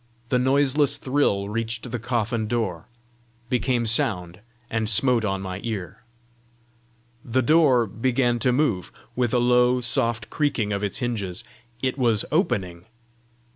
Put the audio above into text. The noiseless thrill reached the coffin door became sound, and smote on my ear. The door began to move with a low, soft creaking of its hinges. It was opening!